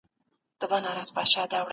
نوې نظريې ازمېيل کېږي.